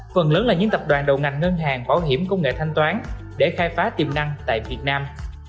phần lớn là những tập đoàn đầu ngành ngân hàng bảo hiểm công nghệ thanh toán để khai phá tiềm năng tại việt nam